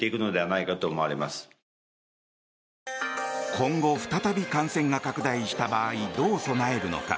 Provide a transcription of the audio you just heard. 今後、再び感染が拡大した場合どう備えるのか。